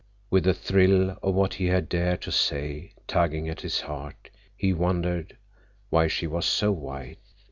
With the thrill of what he had dared to say tugging at his heart, he wondered why she was so white.